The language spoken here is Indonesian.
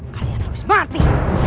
kalian harus mati